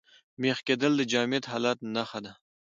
مېخ کېدل د جامد حالت نخښه ده.